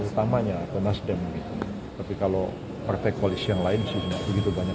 utamanya atau nasdem tapi kalau partai koalisi yang lain sudah begitu banyak